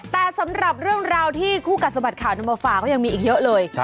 แต่สำหรับเรื่องราวที่คู่กัดสะบัดข่าวนำมาฝากก็ยังมีอีกเยอะเลย